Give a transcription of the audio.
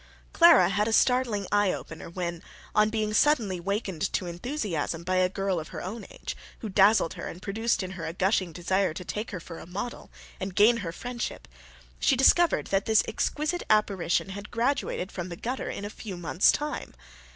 Clara had a startling eyeopener when, on being suddenly wakened to enthusiasm by a girl of her own age who dazzled her and produced in her a gushing desire to take her for a model, and gain her friendship, she discovered that this exquisite apparition had graduated from the gutter in a few months' time.